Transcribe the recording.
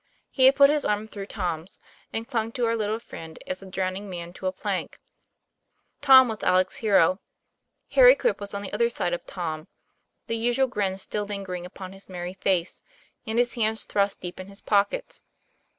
He had put his arm through Tom's, and clung to our little friend as a drowning man to a plank. Tom was Alec's hero. Harry Quip was on the other side of Tom, the usual grin still lingering upon his merry face, and his hands thrust deep in his pockets.